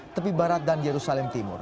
tepi barat dan yerusalem timur